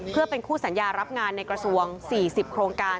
เพื่อเป็นคู่สัญญารับงานในกระทรวง๔๐โครงการ